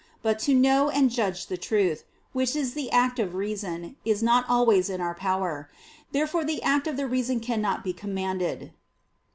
But to know and judge the truth, which is the act of reason, is not always in our power. Therefore the act of the reason cannot be commanded.